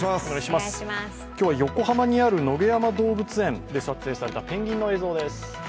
今日は横浜にある野毛山動物園で撮影されたペンギンの映像です。